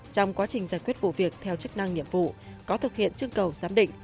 trong quá trình giải quyết vụ việc theo chức năng nhiệm vụ có thực hiện chương cầu giám định